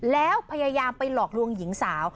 แล้วพยายามไปหลอกลวงหญิงสาว